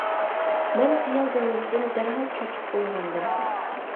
مەن خىيال دېڭىزىدىن دەرھال چۈچۈپ ئويغاندىم.